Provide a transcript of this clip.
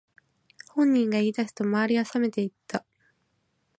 本人が言い出すと周りはさめていった